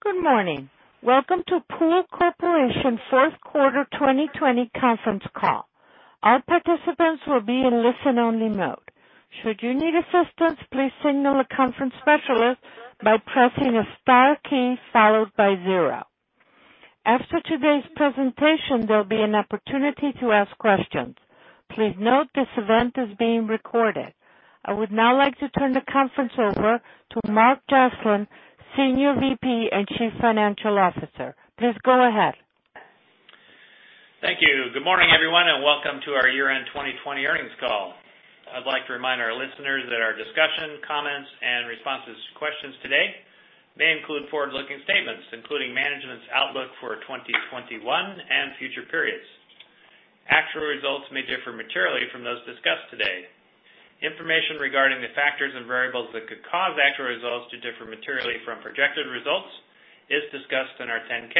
Good morning. Welcome to Pool Corporation's fourth quarter 2020 conference call. All participants will be in listen-only mode. Should you need assistance, please signal a conference specialist by pressing the star key followed by zero. After today's presentation, there'll be an opportunity to ask questions. Please note this event is being recorded. I would now like to turn the conference over to Mark Joslin, Senior VP and Chief Financial Officer. Please go ahead. Thank you. Good morning, everyone, and welcome to our year-end 2020 earnings call. I'd like to remind our listeners that our discussion, comments, and responses to questions today may include forward-looking statements, including management's outlook for 2021 and future periods. Actual results may differ materially from those discussed today. Information regarding the factors and variables that could cause actual results to differ materially from projected results is discussed in our 10-K.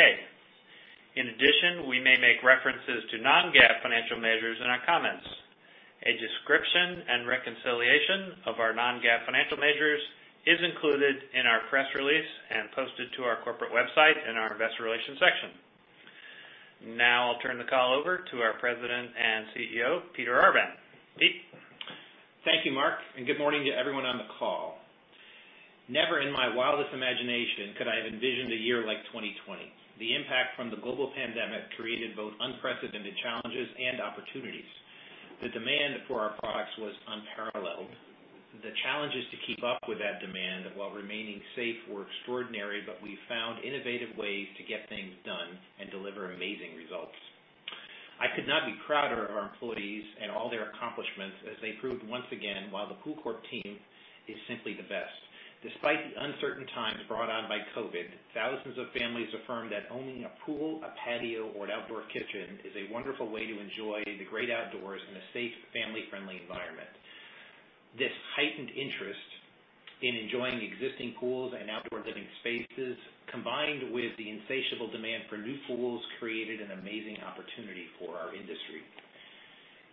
We may make references to non-GAAP financial measures in our comments. A description and reconciliation of our non-GAAP financial measures is included in our press release and posted to our corporate website in our investor relations section. I'll turn the call over to our President and CEO, Peter Arvan. Pete. Thank you, Mark, and good morning to everyone on the call. Never in my wildest imagination could I have envisioned a year like 2020. The impact from the global pandemic created both unprecedented challenges and opportunities. The demand for our products was unparalleled. The challenges to keep up with that demand while remaining safe were extraordinary, but we found innovative ways to get things done and deliver amazing results. I could not be prouder of our employees and all their accomplishments as they proved once again why the PoolCorp team is simply the best. Despite the uncertain times brought on by COVID, thousands of families affirmed that owning a pool, a patio, or an outdoor kitchen is a wonderful way to enjoy the great outdoors in a safe, family-friendly environment. This heightened interest in enjoying existing pools and outdoor living spaces, combined with the insatiable demand for new pools, created an amazing opportunity for our industry.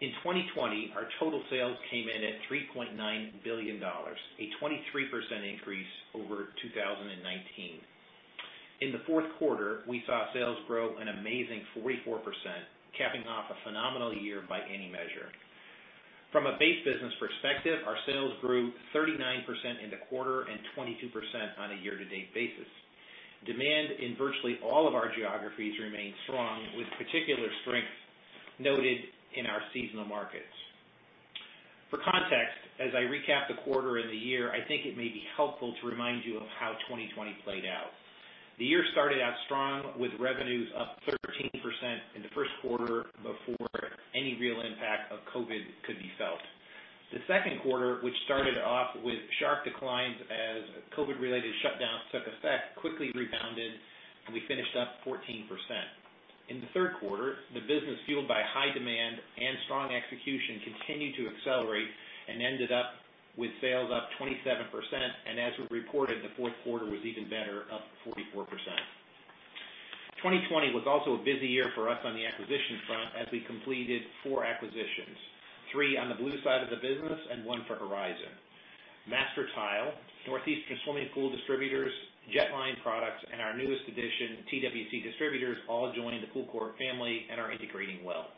In 2020, our total sales came in at $3.9 billion, a 23% increase over 2019. In the fourth quarter, we saw sales grow an amazing 44%, capping off a phenomenal year by any measure. From a base business perspective, our sales grew 39% in the quarter and 22% on a year-to-date basis. Demand in virtually all of our geographies remained strong, with particular strength noted in our seasonal markets. For context, as I recap the quarter and the year, I think it may be helpful to remind you of how 2020 played out. The year started out strong with revenues up 13% in the first quarter before any real impact of COVID could be felt. The second quarter, which started off with sharp declines as COVID-related shutdowns took effect, quickly rebounded, and we finished up 14%. In the third quarter, the business, fueled by high demand and strong execution, continued to accelerate and ended up with sales up 27%, and as we reported, the fourth quarter was even better, up 44%. 2020 was also a busy year for us on the acquisition front as we completed four acquisitions, three on the blue side of the business and one for Horizon. Master Tile, Northeastern Swimming Pool Distributors, Jet Line Products, and our newest addition, TWC Distributors, all joined the PoolCorp family and are integrating well.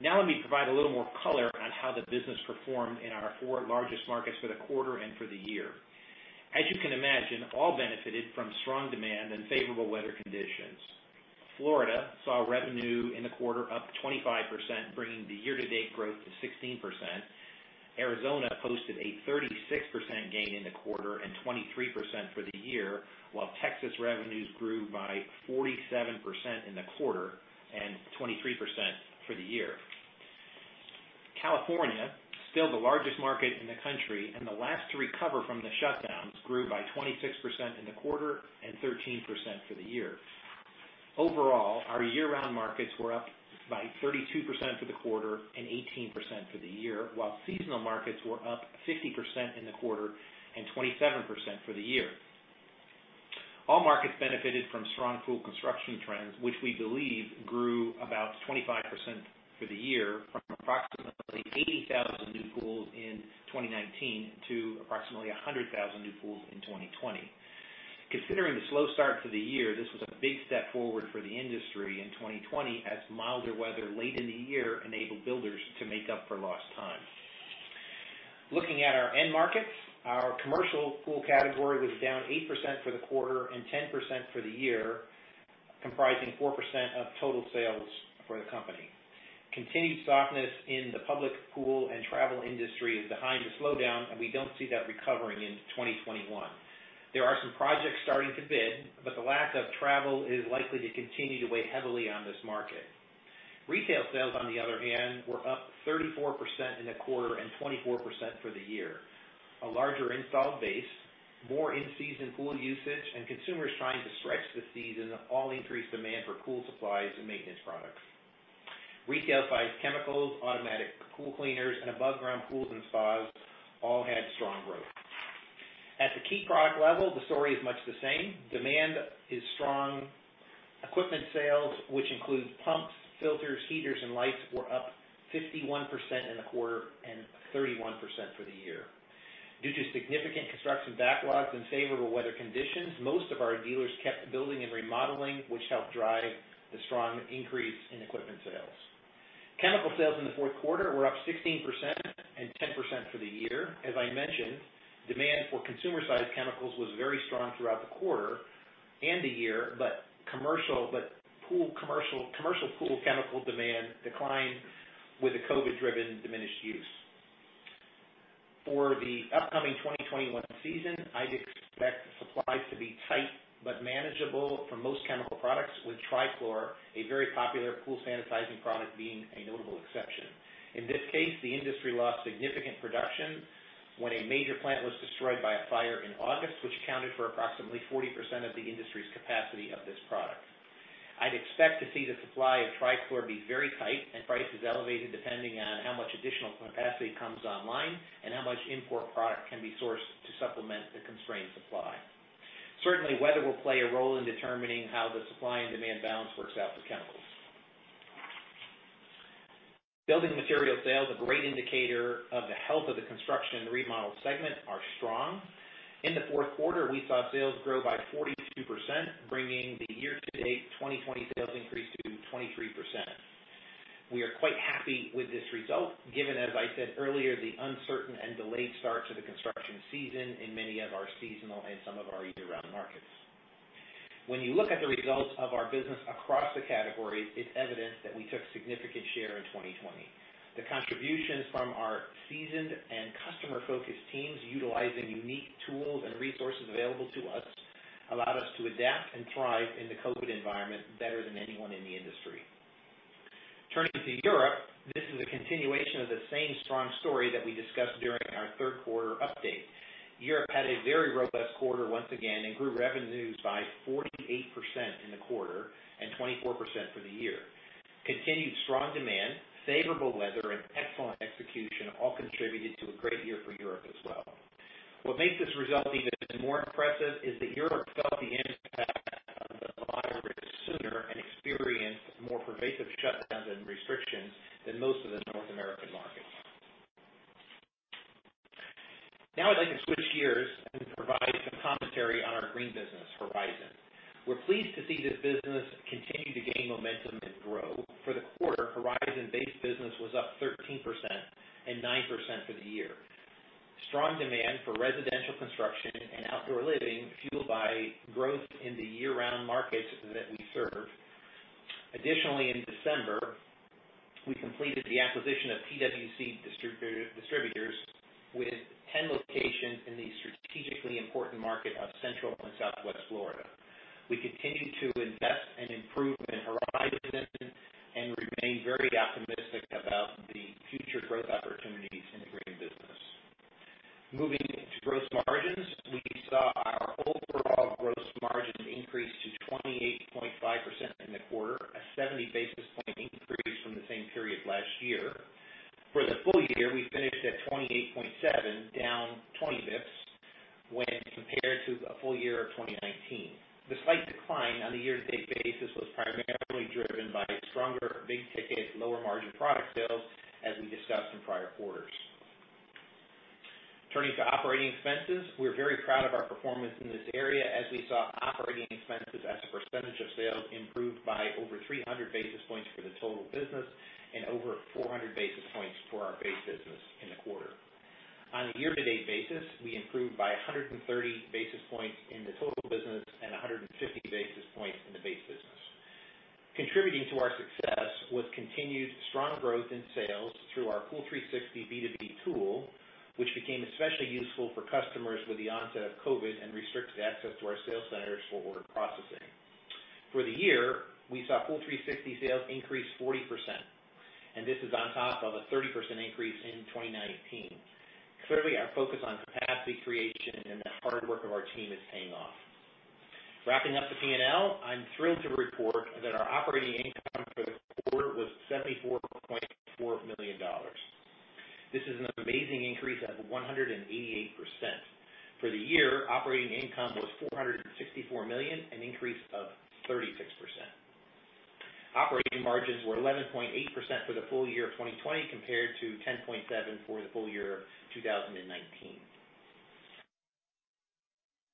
Now let me provide a little more color on how the business performed in our four largest markets for the quarter and for the year. As you can imagine, all benefited from strong demand and favorable weather conditions. Florida saw revenue in the quarter up 25%, bringing the year-to-date growth to 16%. Arizona posted a 36% gain in the quarter and 23% for the year, while Texas revenues grew by 47% in the quarter and 23% for the year. California, still the largest market in the country and the last to recover from the shutdowns, grew by 26% in the quarter and 13% for the year. Overall, our year-round markets were up by 32% for the quarter and 18% for the year, while seasonal markets were up 50% in the quarter and 27% for the year. All markets benefited from strong pool construction trends, which we believe grew about 25% for the year from approximately 80,000 new pools in 2019 to approximately 100,000 new pools in 2020. Considering the slow start to the year, this was a big step forward for the industry in 2020, as milder weather late in the year enabled builders to make up for lost time. Looking at our end markets, our commercial pool category was down 8% for the quarter and 10% for the year, comprising 4% of total sales for the company. Continued softness in the public pool and travel industry is behind the slowdown, and we don't see that recovering in 2021. There are some projects starting to bid, but the lack of travel is likely to continue to weigh heavily on this market. Retail sales, on the other hand, were up 34% in the quarter and 24% for the year. A larger installed base, more in-season pool usage, and consumers trying to stretch the season all increased demand for pool supplies and maintenance products. Retail-sized chemicals, automatic pool cleaners, and above-ground pools and spas all had strong growth. At the key product level, the story is much the same, demand is strong. Equipment sales, which include pumps, filters, heaters, and lights, were up 51% in the quarter and 31% for the year. Due to significant construction backlogs and favorable weather conditions, most of our dealers kept building and remodeling, which helped drive the strong increase in equipment sales. Chemical sales in the fourth quarter were up 16% and 10% for the year. As I mentioned, demand for consumer-sized chemicals was very strong throughout the quarter and the year, but commercial pool chemical demand declined with a COVID-driven diminished use. For the upcoming 2021 season, I'd expect supplies to be tight but manageable for most chemical products, with trichlor, a very popular pool sanitizing product, being a notable exception. In this case, the industry lost significant production when a major plant was destroyed by a fire in August, which accounted for approximately 40% of the industry's capacity of this product. I'd expect to see the supply of trichlor be very tight and prices elevated, depending on how much additional capacity comes online and how much import product can be sourced to supplement the constrained supply. Certainly, weather will play a role in determining how the supply and demand balance works out for chemicals. Building material sales, a great indicator of the health of the construction and remodel segment, are strong. In the fourth quarter, we saw sales grow by 42%, bringing the year-to-date 2020 sales increase to 23%. We are quite happy with this result, given, as I said earlier, the uncertain and delayed start to the construction season in many of our seasonal and some of our year-round markets. When you look at the results of our business across the categories, it's evident that we took significant share in 2020. The contributions from our seasoned and customer-focused teams, utilizing unique tools and resources available to us, allowed us to adapt and thrive in the COVID environment better than anyone in the industry. Turning to Europe, this is a continuation of the same strong story that we discussed during our third quarter update. Europe had a very robust quarter once again, and grew revenues by 48% in the quarter and 24% for the year. Continued strong demand, favorable weather, and excellent execution all contributed to a great year for Europe as well. What makes this result even more impressive is that Europe felt the impact of the virus sooner and experienced more pervasive shutdowns and restrictions than most of the North American markets. Now, I'd like to switch gears and provide some commentary on our green business, Horizon. We're pleased to see this business continue to gain momentum and grow. For the quarter, Horizon base business was up 13% and 9% for the year. Strong demand for residential construction and outdoor living, fueled by growth in the year-round markets that we serve. Additionally, in December, we completed the acquisition of TWC Distributors with 10 locations in the strategically important market of Central and Southwest Florida. We continue to invest and improve in Horizon and remain very optimistic about the future growth opportunities in the green business. Moving to gross margins. We saw our overall gross margins increase to 28.5% in the quarter, a 70 basis point increase from the same period last year. For the full year, we finished at 28.7%, down 20 basis points when compared to a full year of 2019. The slight decline on the year-to-date basis was primarily driven by stronger big-ticket, lower-margin product sales, as we discussed in prior quarters. Turning to operating expenses. We're very proud of our performance in this area, as we saw operating expenses as a percentage of sales improve by over 300 basis points for the total business and over 400 basis points for our base business in the quarter. On a year-to-date basis, we improved by 130 basis points in the total business and 150 basis points in the base business. Contributing to our success was continued strong growth in sales through our Pool360 B2B tool, which became especially useful for customers with the onset of COVID and restricted access to our sales centers for order processing. For the year, we saw Pool360 sales increase 40%, and this is on top of a 30% increase in 2019. Clearly, our focus on capacity creation and the hard work of our team is paying off. Wrapping up the P&L, I'm thrilled to report that our operating income for the quarter was $74.4 million. This is an amazing increase of 188%. For the year, operating income was $464 million, an increase of 36%. Operating margins were 11.8% for the full year of 2020 compared to 10.7% for the full year of 2019.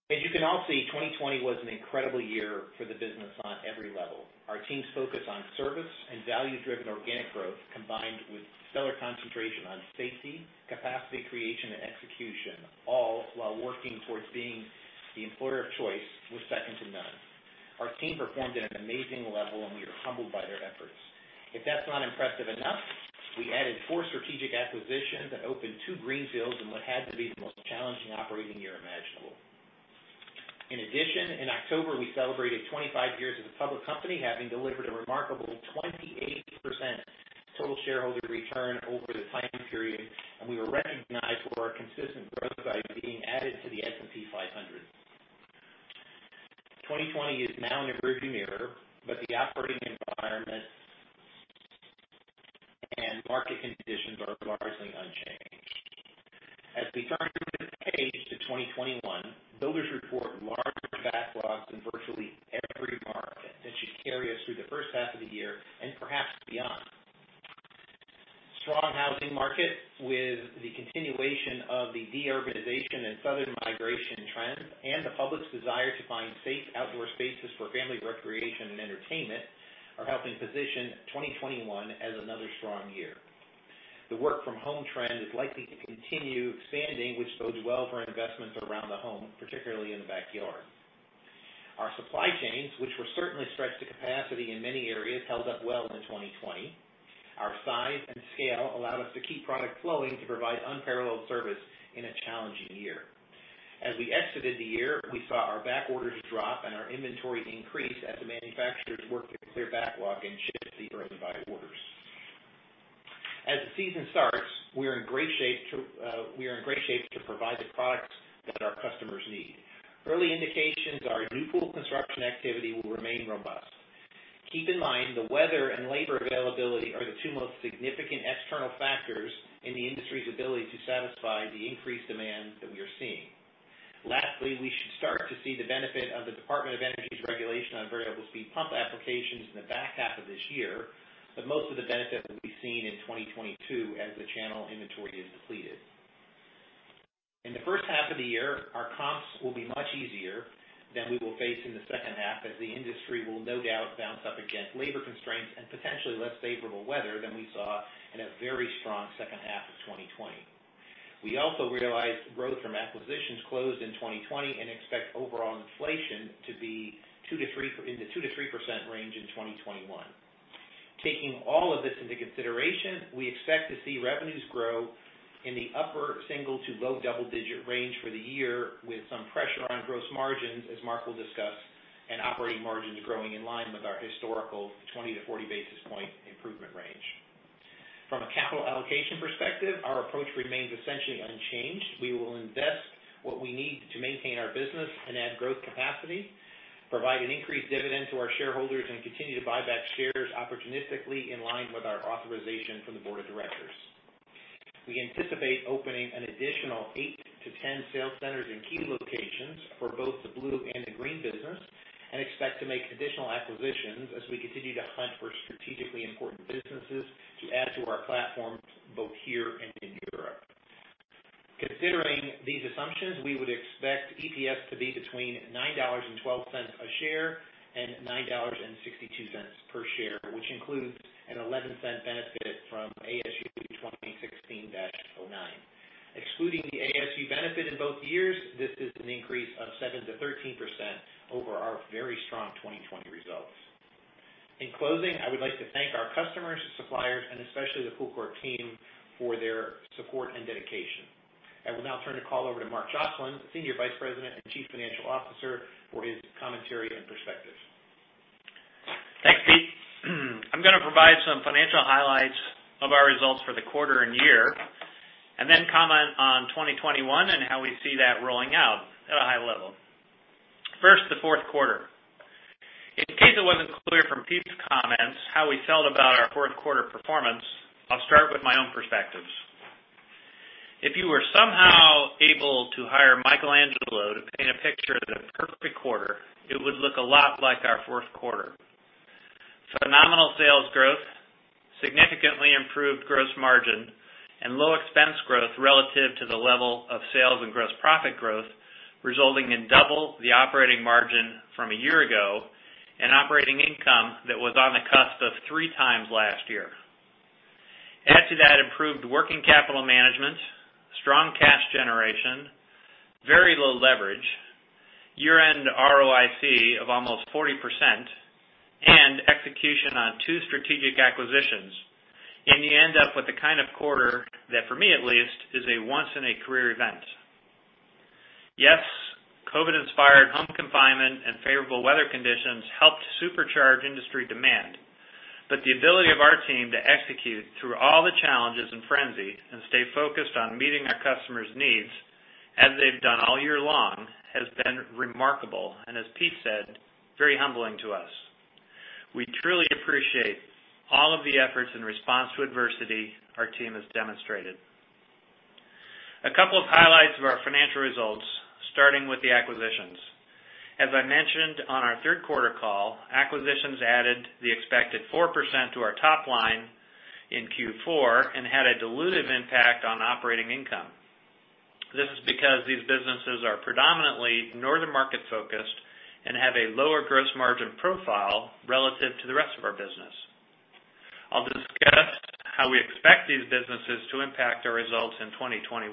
As you can all see, 2020 was an incredible year for the business on every level. Our team's focus on service and value-driven organic growth, combined with stellar concentration on safety, capacity creation, and execution, all while working towards being the employer of choice, was second to none. Our team performed at an amazing level, and we are humbled by their efforts. If that's not impressive enough, we added four strategic acquisitions and opened two greenfields in what had to be the most challenging operating year imaginable. In addition, in October, we celebrated 25 years as a public company, having delivered a remarkable 28% total shareholder return over the time period. We were recognized for our consistent growth by being added to the S&P 500. 2020 is now in the rear view mirror, but the operating environment. Market conditions are largely unchanged. As we turn the page to 2021, builders report large backlogs in virtually every market. That should carry us through the first half of the year and perhaps beyond. Strong housing market with the continuation of the de-urbanization and southern migration trend, and the public's desire to find safe outdoor spaces for family recreation and entertainment are helping position 2021 as another strong year. The work from home trend is likely to continue expanding, which bodes well for investments around the home, particularly in the backyard. Our supply chains, which were certainly stretched to capacity in many areas, held up well in 2020. Our size and scale allowed us to keep product flowing to provide unparalleled service in a challenging year. As we exited the year, we saw our back orders drop and our inventories increase as the manufacturers worked to clear backlog and ship the early buy orders. As the season starts, we are in great shape to provide the products that our customers need. Early indications are new pool construction activity will remain robust. Keep in mind, the weather and labor availability are the two most significant external factors in the industry's ability to satisfy the increased demand that we are seeing. Lastly, we should start to see the benefit of the Department of Energy's regulation on variable speed pump applications in the back half of this year, but most of the benefit will be seen in 2022 as the channel inventory is depleted. In the first half of the year, our comps will be much easier than we will face in the second half, as the industry will no doubt bounce up against labor constraints and potentially less favorable weather than we saw in a very strong second half of 2020. We also realized growth from acquisitions closed in 2020 and expect overall inflation to be in the 2%-3% range in 2021. Taking all of this into consideration, we expect to see revenues grow in the upper single to low double-digit range for the year, with some pressure on gross margins, as Mark will discuss, and operating margins growing in line with our historical 20 to 40 basis point improvement range. From a capital allocation perspective, our approach remains essentially unchanged. We will invest what we need to maintain our business and add growth capacity, provide an increased dividend to our shareholders, and continue to buy back shares opportunistically in line with our authorization from the board of directors. We anticipate opening an additional eight to 10 sales centers in key locations for both the blue and the green business. Expect to make additional acquisitions as we continue to hunt for strategically important businesses to add to our platforms, both here and in Europe. Considering these assumptions, we would expect EPS to be between $9.12 a share and $9.62 per share, which includes an $0.11 benefit from ASU 2016-09. Excluding the ASU benefit in both years, this is an increase of 7% to 13% over our very strong 2020 results. In closing, I would like to thank our customers, suppliers, and especially the PoolCorp team for their support and dedication. I will now turn the call over to Mark Joslin, Senior Vice President and Chief Financial Officer, for his commentary and perspective. Thanks, Pete. I'm going to provide some financial highlights of our results for the quarter and year, and then comment on 2021 and how we see that rolling out at a high level. First, the fourth quarter. In case it wasn't clear from Pete's comments how we felt about our fourth quarter performance, I'll start with my own perspectives. If you were somehow able to hire Michelangelo to paint a picture of the perfect quarter, it would look a lot like our fourth quarter. Phenomenal sales growth, significantly improved gross margin, and low expense growth relative to the level of sales and gross profit growth, resulting in double the operating margin from a year ago, and operating income that was on the cusp of three times last year. Add to that improved working capital management, strong cash generation, very low leverage, year-end ROIC of almost 40%, and execution on two strategic acquisitions, and you end up with the kind of quarter that, for me at least, is a once in a career event. Yes, COVID-inspired home confinement and favorable weather conditions helped supercharge industry demand. The ability of our team to execute through all the challenges and frenzy and stay focused on meeting our customers' needs, as they've done all year long, has been remarkable and, as Pete said, very humbling to us. We truly appreciate all of the efforts in response to adversity our team has demonstrated. A couple of highlights of our financial results, starting with the acquisitions. As I mentioned on our third quarter call, acquisitions added the expected 4% to our top line in Q4 and had a dilutive impact on operating income. This is because these businesses are predominantly northern market-focused and have a lower gross margin profile relative to the rest of our business. I'll discuss how we expect these businesses to impact our results in 2021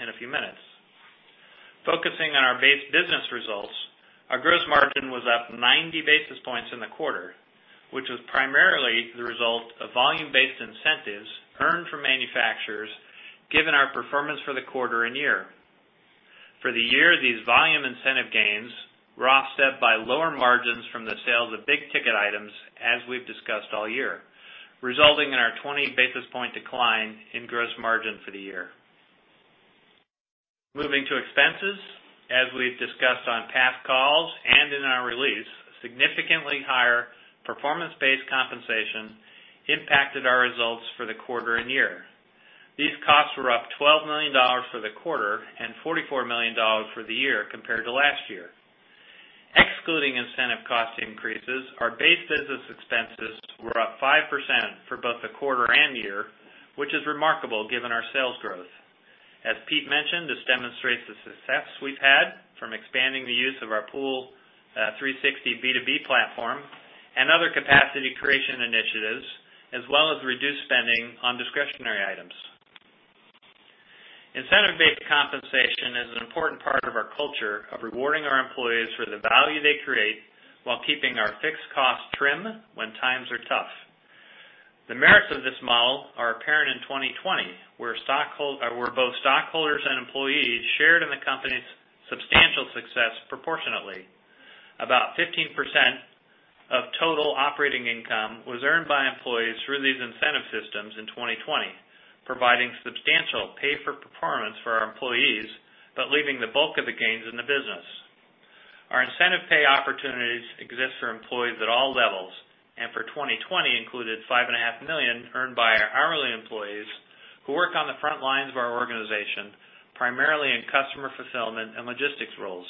in a few minutes. Focusing on our base business results, our gross margin was up 90 basis points in the quarter, which was primarily the result of volume-based incentives earned from manufacturers given our performance for the quarter and year. For the year, these volume incentive gains were offset by lower margins from the sale of the big ticket items, as we've discussed all year, resulting in our 20 basis point decline in gross margin for the year. Moving to expenses, as we've discussed on past calls and in our release, significantly higher performance-based compensation impacted our results for the quarter and year. These costs were up $12 million for the quarter and $44 million for the year compared to last year. Excluding incentive cost increases, our base business expenses were up 5% for both the quarter and year, which is remarkable given our sales growth. As Pete mentioned, this demonstrates the success we've had from expanding the use of our Pool360 B2B platform and other capacity creation initiatives, as well as reduced spending on discretionary items. Incentive-based compensation is an important part of our culture of rewarding our employees for the value they create while keeping our fixed costs trim when times are tough. The merits of this model are apparent in 2020, where both stockholders and employees shared in the company's substantial success proportionately. About 15% of total operating income was earned by employees through these incentive systems in 2020, providing substantial pay for performance for our employees, but leaving the bulk of the gains in the business. Our incentive pay opportunities exist for employees at all levels, and for 2020 included $5.5 million earned by our hourly employees who work on the front lines of our organization, primarily in customer fulfillment and logistics roles,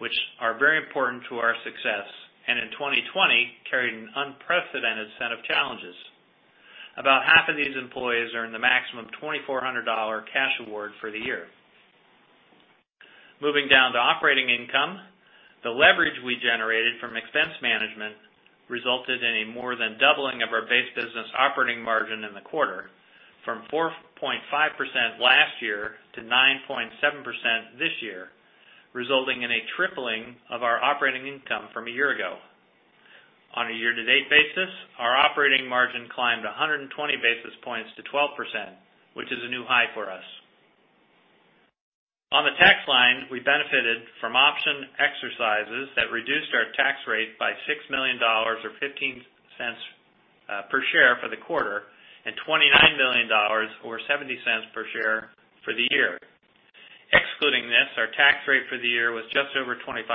which are very important to our success, and in 2020, carried an unprecedented set of challenges. About half of these employees earned the maximum $2,400 cash award for the year. Moving down to operating income, the leverage we generated from expense management resulted in a more than doubling of our base business operating margin in the quarter from 4.5% last year to 9.7% this year, resulting in a tripling of our operating income from a year ago. On a year-to-date basis, our operating margin climbed 120 basis points to 12%, which is a new high for us. On the tax line, we benefited from option exercises that reduced our tax rate by $6 million or $0.15 per share for the quarter, and $29 million or $0.70 per share for the year. Excluding this, our tax rate for the year was just over 25%,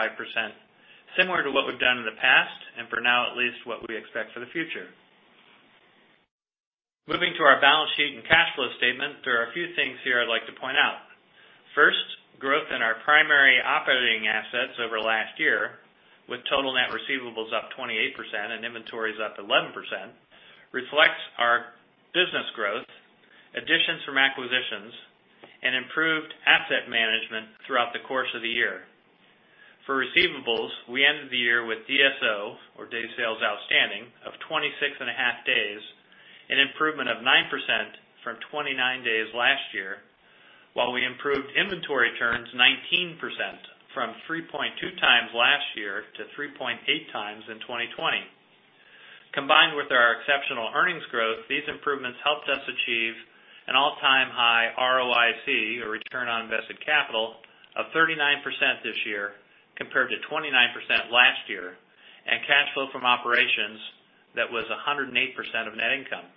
similar to what we've done in the past, and for now at least, what we expect for the future. Moving to our balance sheet and cash flow statement, there are a few things here I'd like to point out. First, growth in our primary operating assets over last year with total net receivables up 28% and inventories up 11%, reflects our business growth, additions from acquisitions, and improved asset management throughout the course of the year. For receivables, we ended the year with DSO or days sales outstanding of 26.5 days, an improvement of 9% from 29 days last year while we improved inventory turns 19% from 3.2x last year to 3.8x in 2020. Combined with our exceptional earnings growth, these improvements helped us achieve an all-time high ROIC or return on invested capital of 39% this year compared to 29% last year, and cash flow from operations that was 108% of net income.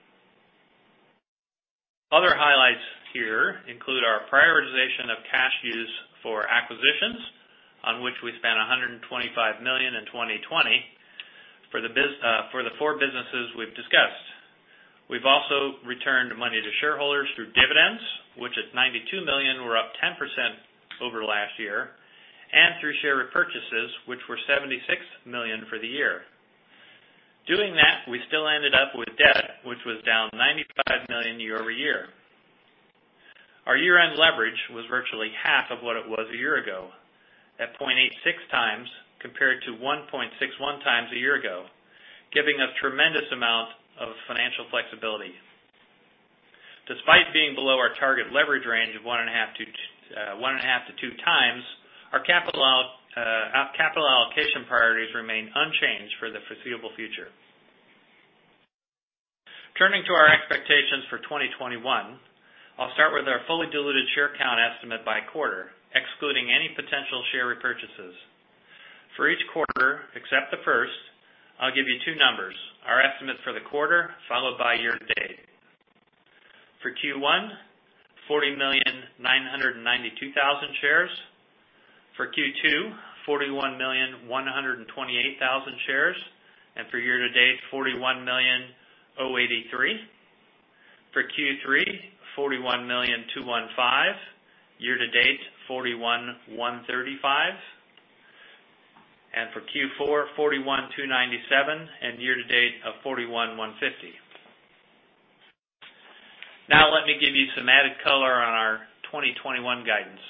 Other highlights here include our prioritization of cash use for acquisitions on which we spent $125 million in 2020 for the four businesses we've discussed. We've also returned money to shareholders through dividends, which at $92 million were up 10% over last year, and through share repurchases, which were $76 million for the year. Doing that, we still ended up with debt, which was down $95 million year-over-year. Our year-end leverage was virtually half of what it was a year ago at 0.86 times compared to 1.61x a year ago, giving us tremendous amount of financial flexibility. Despite being below our target leverage range of 1.5x-2x, our capital allocation priorities remain unchanged for the foreseeable future. Turning to our expectations for 2021, I'll start with our fully diluted share count estimate by quarter, excluding any potential share repurchases. For each quarter except the first, I'll give you two numbers. Our estimate for the quarter, followed by year to date. For Q1, 40,992,000 shares. For Q2, 41,128,000 shares. For year to date, 41,083,000. For Q3, 41,215,000. Year to date, 41,135,000. For Q4, 41,297,000, and year to date of 41,150,000. Now let me give you some added color on our 2021 guidance.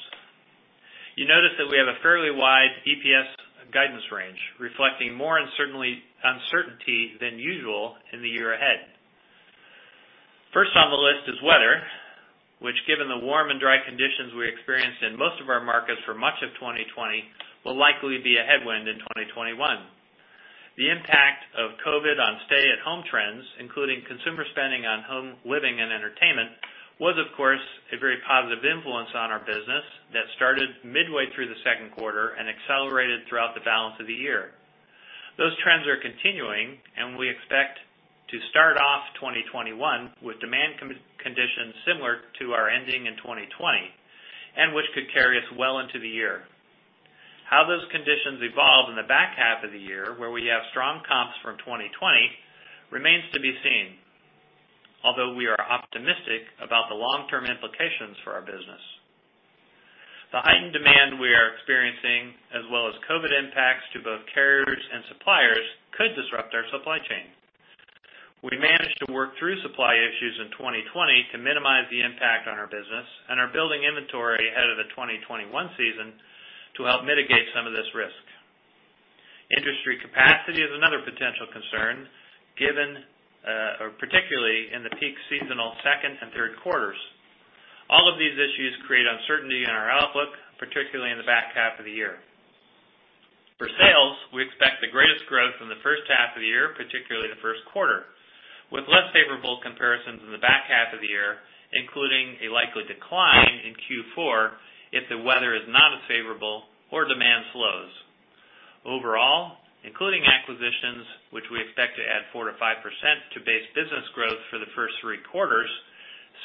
You notice that we have a fairly wide EPS guidance range reflecting more uncertainty than usual in the year ahead. First on the list is weather, which given the warm and dry conditions we experienced in most of our markets for much of 2020, will likely be a headwind in 2021. The impact of COVID on stay-at-home trends, including consumer spending on home living and entertainment, was, of course, a very positive influence on our business that started midway through the second quarter and accelerated throughout the balance of the year. Those trends are continuing. We expect to start off 2021 with demand conditions similar to our ending in 2020, and which could carry us well into the year. How those conditions evolve in the back half of the year, where we have strong comps from 2020, remains to be seen. Although we are optimistic about the long-term implications for our business. The heightened demand we are experiencing, as well as COVID impacts to both carriers and suppliers, could disrupt our supply chain. We managed to work through supply issues in 2020 to minimize the impact on our business and are building inventory ahead of the 2021 season to help mitigate some of this risk. Industry capacity is another potential concern, particularly in the peak seasonal second and third quarters. All of these issues create uncertainty in our outlook, particularly in the back half of the year. For sales, we expect the greatest growth in the first half of the year, particularly the first quarter, with less favorable comparisons in the back half of the year, including a likely decline in Q4 if the weather is not as favorable or demand slows. Overall, including acquisitions, which we expect to add 4%-5% to base business growth for the first three quarters,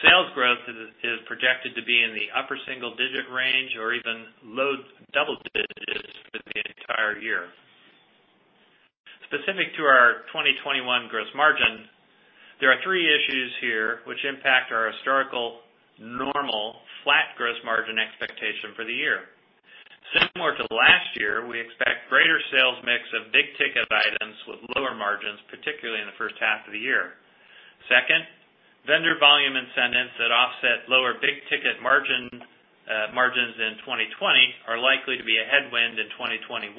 sales growth is projected to be in the upper single-digit range or even low double digits for the entire year. Specific to our 2021 gross margin, there are three issues here which impact our historical normal flat gross margin expectation for the year. Similar to last year, we expect greater sales mix of big-ticket items with lower margins, particularly in the first half of the year. Second, vendor volume incentives that offset lower big-ticket margins in 2020 are likely to be a headwind in 2021,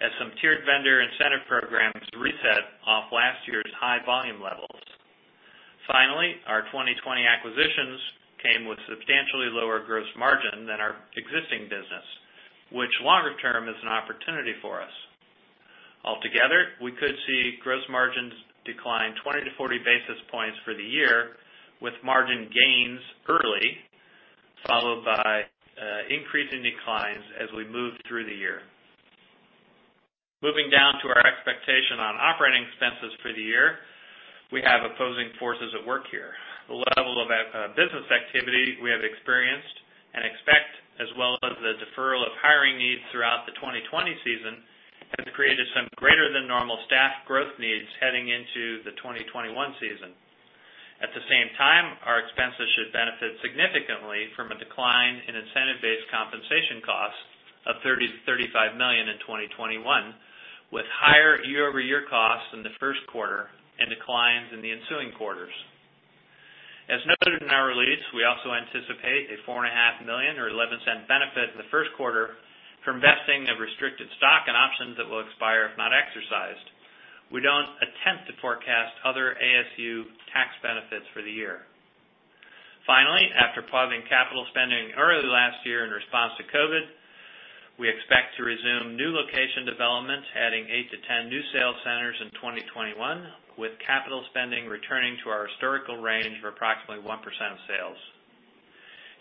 as some tiered vendor incentive programs reset off last year's high volume levels. Finally, our 2020 acquisitions came with substantially lower gross margin than our existing business, which longer term is an opportunity for us. Altogether, we could see gross margins decline 20 to 40 basis points for the year, with margin gains early, followed by increasing declines as we move through the year. Moving down to our expectation on operating expenses for the year, we have opposing forces at work here. The level of business activity we have experienced and expect, as well as the deferral of hiring needs throughout the 2020 season, has created some greater than normal staff growth needs heading into the 2021 season. At the same time, our expenses should benefit significantly from a decline in incentive-based compensation costs of $30 million-$35 million in 2021, with higher year-over-year costs in the first quarter and declines in the ensuing quarters. As noted in our release, we also anticipate a $4.5 million or $0.11 benefit in the first quarter from vesting of restricted stock and options that will expire if not exercised. We don't attempt to forecast other ASU tax benefits for the year. Finally, after pausing capital spending early last year in response to COVID, we expect to resume new location developments, adding eight to 10 new sales centers in 2021, with capital spending returning to our historical range of approximately 1% of sales.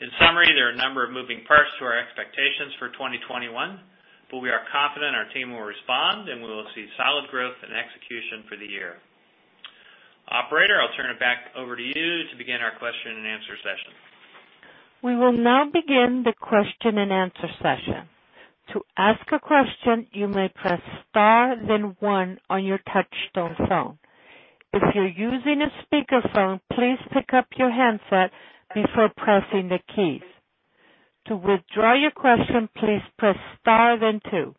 In summary, there are a number of moving parts to our expectations for 2021, but we are confident our team will respond, and we will see solid growth and execution for the year. Operator, I'll turn it back over to you to begin our question and answer session. We will now begin the question and answer session. To ask a question, you may press star then one on your touchtone phone. If you're using a speakerphone, please pick up your handset before pressing the keys. To withdraw your question, please press star then two.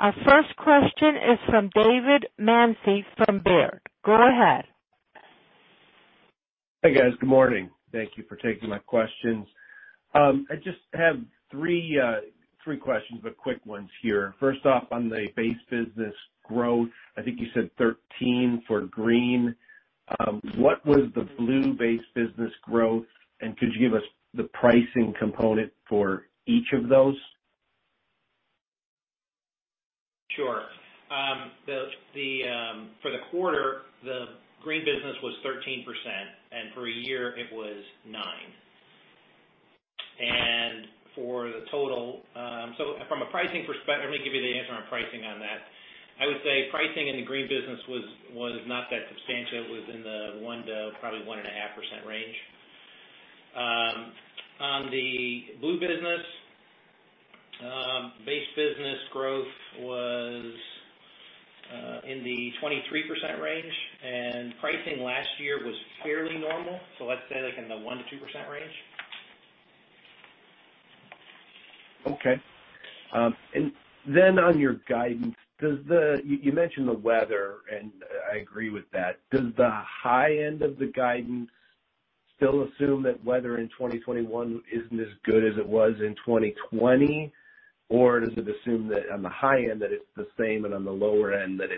Our first question is from David Manthey from Baird. Go ahead. Hi, guys. Good morning. Thank you for taking my questions. I just have three questions, but quick ones here. First off, on the base business growth, I think you said 13 for green. What was the blue base business growth, and could you give us the pricing component for each of those? Sure. For the quarter, the green business was 13%, and for a year it was 9%. Let me give you the answer on pricing on that. I would say pricing in the green business was not that substantial, within the 1% to probably 1.5% range. On the blue business, base business growth was in the 23% range, and pricing last year was fairly normal. Let's say like in the 1% to 2% range. Okay. On your guidance, you mentioned the weather, and I agree with that. Does the high end of the guidance still assume that weather in 2021 isn't as good as it was in 2020? Does it assume that on the high end, that it's the same and on the lower end, that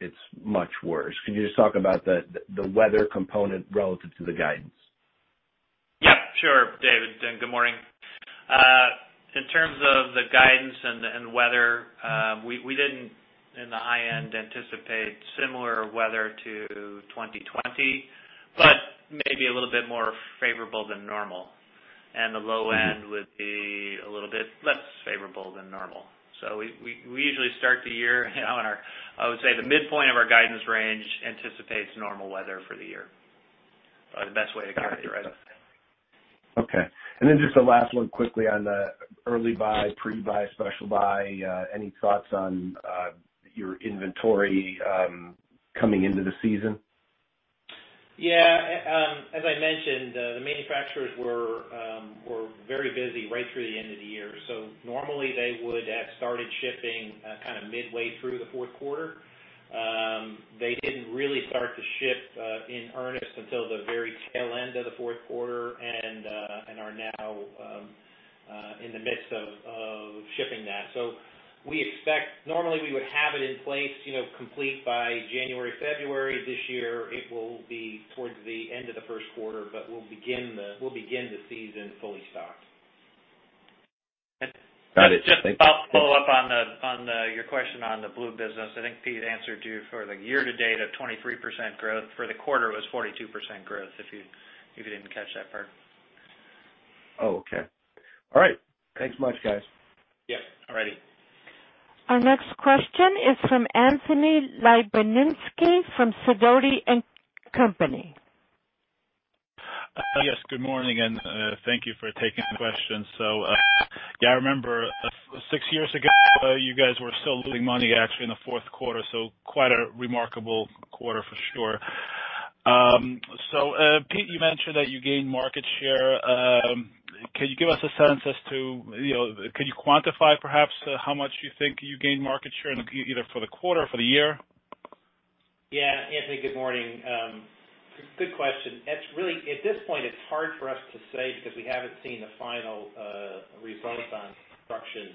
it's much worse? Can you just talk about the weather component relative to the guidance? Yeah, sure, David, good morning. In terms of the guidance and the weather, we didn't, in the high end, anticipate similar weather to 2020, but maybe a little bit more favorable than normal The low end would be a little bit less favorable than normal. We usually start the year on, I would say the midpoint of our guidance range anticipates normal weather for the year. The best way to characterize it. Okay. Just the last one quickly on the early buy, pre-buy, special buy, any thoughts on your inventory coming into the season? Yeah. As I mentioned, the manufacturers were very busy right through the end of the year. Normally they would have started shipping kind of midway through the fourth quarter. They didn't really start to ship in earnest until the very tail end of the fourth quarter and are now in the midst of shipping that. We expect normally we would have it in place complete by January, February. This year it will be towards the end of the first quarter, but we'll begin the season fully stocked. Got it. Thank you. Just to follow up on your question on the Blue business. I think Pete answered you for the year-to-date of 23% growth. For the quarter, it was 42% growth, if you didn't catch that part. Okay. All right, thanks much, guys. Yep, all righty. Our next question is from Anthony Lebiedzinski from Sidoti & Company. Yes, good morning, and thank you for taking the question. Yeah, I remember six years ago, you guys were still losing money actually in the fourth quarter, so quite a remarkable quarter for sure. Pete, you mentioned that you gained market share. Can you give us a sense as to, can you quantify perhaps how much you think you gained market share either for the quarter or for the year? Yeah, Anthony, good morning. Good question. At this point, it's hard for us to say because we haven't seen a final result on construction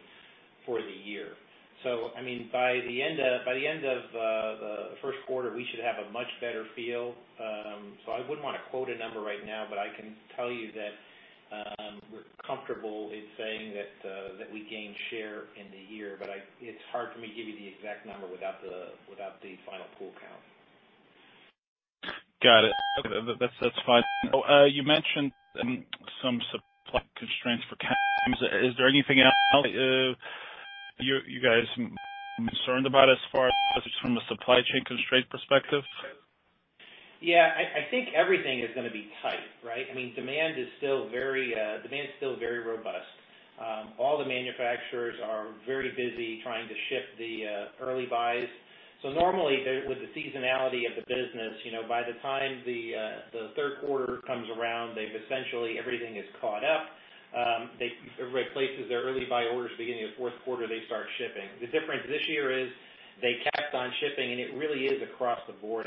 for the year. By the end of the first quarter, we should have a much better feel. I wouldn't want to quote a number right now, but I can tell you that we're comfortable in saying that we gained share in the year. It's hard for me to give you the exact number without the final pool count. Got it, okay. That's fine. You mentioned some supply constraints for. Is there anything else you guys are concerned about as far as just from a supply chain constraint perspective? Yeah, I think everything is gonna be tight, right? Demand is still very robust. All the manufacturers are very busy trying to ship the early buys. Normally with the seasonality of the business, by the time the third quarter comes around, essentially everything is caught up. Everybody places their early buy orders, beginning of fourth quarter, they start shipping. The difference this year is they kept on shipping, and it really is across the board.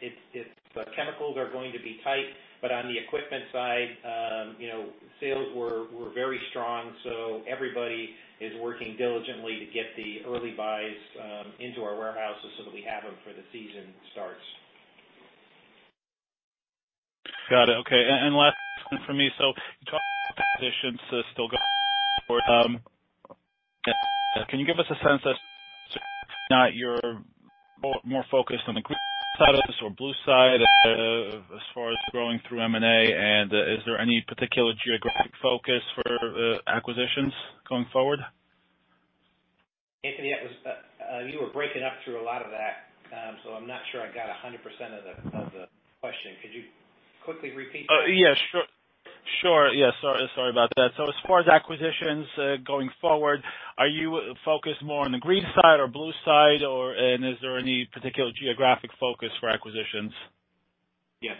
The chemicals are going to be tight, but on the equipment side, sales were very strong. Everybody is working diligently to get the early buys into our warehouses so that we have them before the season starts. Got it, okay. Last one from me. You talked about still going forward. Can you give us a sense as to if not you're more focused on the green side of this or blue side, as far as growing through M&A, and is there any particular geographic focus for acquisitions going forward? Anthony, you were breaking up through a lot of that. I'm not sure I got 100% of the question. Could you quickly repeat that? Yeah, sure. Sorry about that. As far as acquisitions going forward, are you focused more on the green side or blue side, and is there any particular geographic focus for acquisitions? Yeah,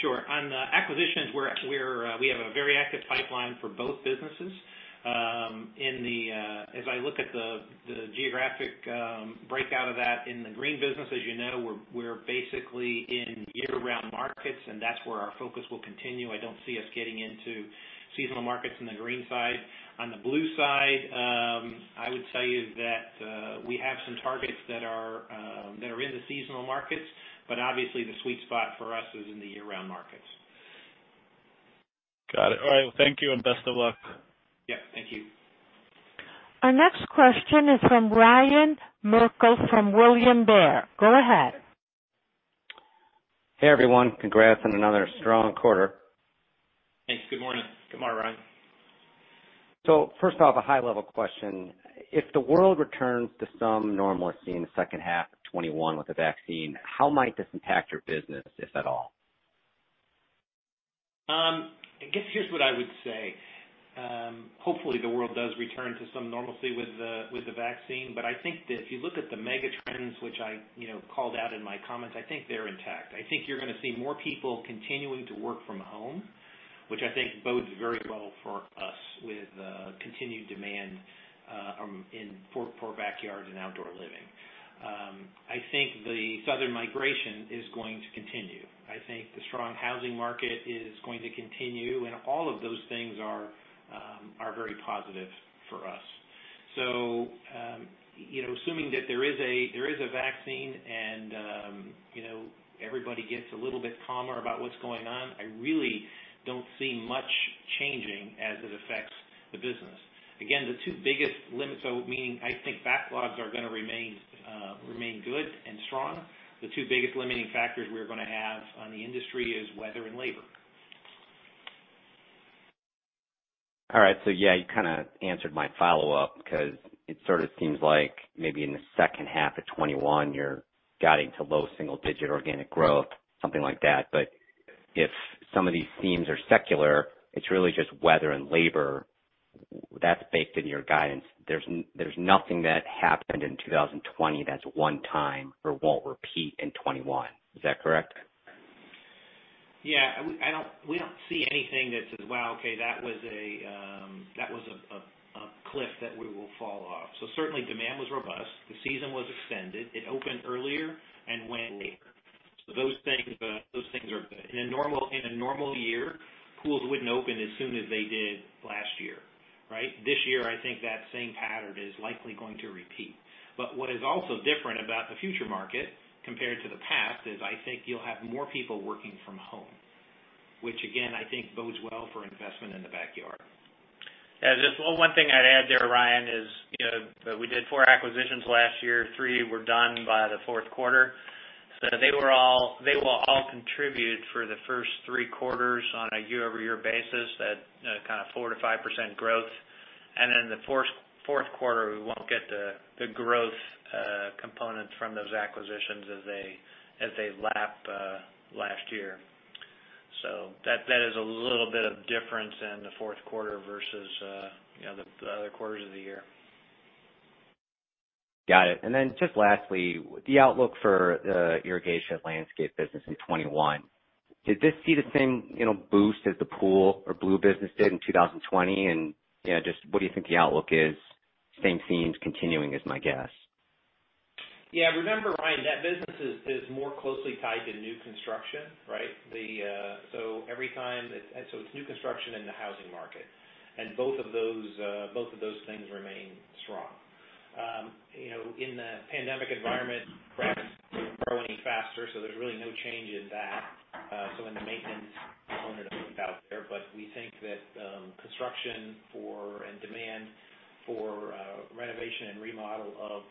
sure. On acquisitions, we have a very active pipeline for both businesses. As I look at the geographic breakout of that in the green business, as you know, we're basically in year-round markets, and that's where our focus will continue. I don't see us getting into seasonal markets on the green side. On the blue side, I would tell you that we have some targets that are in the seasonal markets, but obviously the sweet spot for us is in the year-round markets. Got it. All right. Well, thank you and best of luck. Yeah, thank you. Our next question is from Ryan Merkel from William Blair. Go ahead. Hey, everyone. Congrats on another strong quarter. Thanks. Good morning. Good morning, Ryan. First off, a high level question. If the world returns to some normalcy in the second half of 2021 with the vaccine, how might this impact your business, if at all? I guess here's what I would say. Hopefully the world does return to some normalcy with the vaccine, but I think that if you look at the mega trends, which I called out in my comments, I think they're intact. I think you're gonna see more people continuing to work from home, which I think bodes very well for us with continued demand for backyard and outdoor living. I think the southern migration is going to continue. I think the strong housing market is going to continue, and all of those things are very positive for us. Assuming that there is a vaccine and everybody gets a little bit calmer about what's going on, I really don't see much changing as it affects the business. Again, the two biggest limits, I think backlogs are going to remain good and strong. The two biggest limiting factors we're going to have on the industry is weather and labor. All right. You kind of answered my follow-up because it sort of seems like maybe in the second half of 2021, you're guiding to low single-digit organic growth, something like that. If some of these themes are secular, it's really just weather and labor that's baked into your guidance. There's nothing that happened in 2020 that's one time or won't repeat in 2021. Is that correct? Yeah. We don't see anything that says, wow, okay, that was a cliff that we will fall off. Certainly demand was robust. The season was extended. It opened earlier and went later. Those things are good. In a normal year, pools wouldn't open as soon as they did last year. Right? This year, I think that same pattern is likely going to repeat. What is also different about the future market compared to the past is I think you'll have more people working from home, which again, I think bodes well for investment in the backyard. Yeah. Just one thing I'd add there, Ryan, is that we did four acquisitions last year. Three were done by the fourth quarter. They will all contribute for the first three quarters on a year-over-year basis, that kind of 4%-5% growth. The fourth quarter, we won't get the growth components from those acquisitions as they lap last year. That is a little bit of difference in the fourth quarter versus the other quarters of the year. Got it. Then just lastly, the outlook for the irrigation landscape business in 2021. Did this see the same boost as the PoolCorp business did in 2020? Just what do you think the outlook is? Same themes continuing is my guess. Yeah. Remember, Ryan, that business is more closely tied to new construction, right? It's new construction in the housing market. Both of those things remain strong. In the pandemic environment, grass isn't growing any faster, so there's really no change in that. In the maintenance component out there, but we think that construction for, and demand for renovation and remodel of